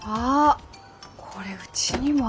これうちにもあった。